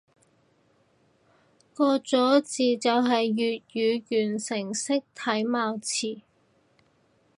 個咗字就係粵語完成式體貌詞